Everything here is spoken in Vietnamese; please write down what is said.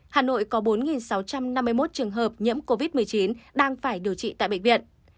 hà nội có bốn sáu trăm năm mươi một trường hợp nhiễm covid một mươi chín đang phải điều trị tại bệnh viện